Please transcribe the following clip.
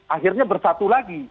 akhirnya bersatu lagi